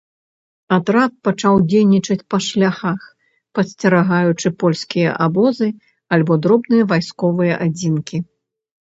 Атрад пачаў дзейнічаць па шляхах, падсцерагаючы польскія абозы альбо дробныя вайсковыя адзінкі.